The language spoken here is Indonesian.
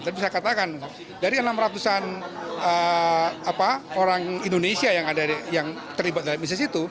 tapi saya katakan dari enam ratusan orang indonesia yang terlibat dalam misi situ